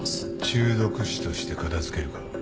中毒死として片付けるか？